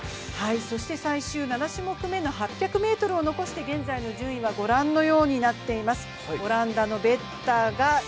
最終７種目めの８００ｍを残して順位は御覧のようになっています。